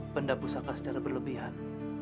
benda pusaka secara berlebihan